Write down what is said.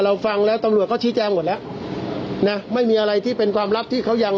ฟังแล้วตำรวจก็ชี้แจงหมดแล้วนะไม่มีอะไรที่เป็นความลับที่เขายัง